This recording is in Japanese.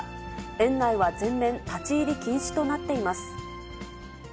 園内は全面、立ち入り禁止となっています。